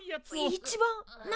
「一番」何？